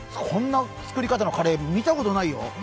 こんな作り方のカレー、見たことないよ。